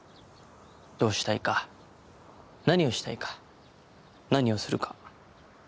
どうしたいか何をしたいか何をするか。